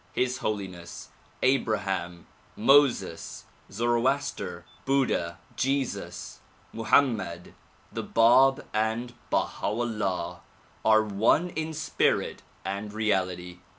His Holiness Abraham, Moses, Zoroaster, Buddha, Jesus, Mohammed, the Bab and Baha 'Ullah are one in spirit and reality.